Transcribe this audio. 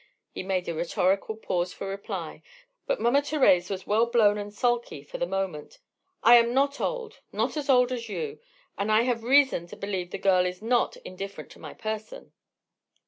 He made a rhetorical pause for reply, but Mama Thérèse was well blown and sulky for the moment. "I am not old, not so old as you, and I have reason to believe the girl is not indifferent to my person."